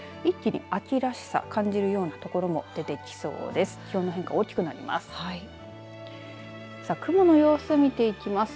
一気に秋らしさ感じるような所も出てきそうです。